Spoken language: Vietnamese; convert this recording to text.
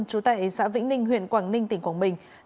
trú tại xã vĩnh ninh huyện quảng ninh tỉnh quảng bình